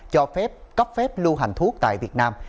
cho phép cấp phép lưu hành thuốc tại việt nam